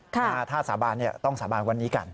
ถ้าสาบานต้องสาบานวันนี้กัน